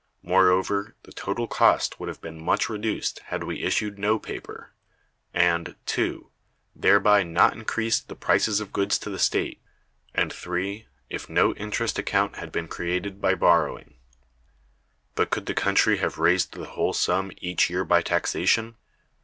Moreover, the total cost would have been much reduced had we issued no paper and (2) thereby not increased the prices of goods to the state, and (3) if no interest account had been created by borrowing. But could the country have raised the whole sum each year by taxation?